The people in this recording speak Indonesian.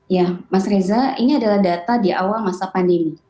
ya mas reza ini adalah data di awal masa pandemi